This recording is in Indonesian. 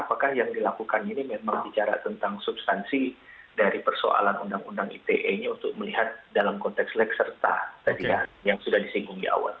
apakah yang dilakukan ini memang bicara tentang substansi dari persoalan undang undang ite nya untuk melihat dalam konteks selek serta tadi ya yang sudah disinggung di awal